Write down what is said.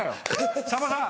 さんまさん